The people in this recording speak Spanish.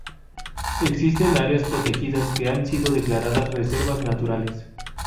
Existen áreas protegidas que han sido declaradas reservas naturales.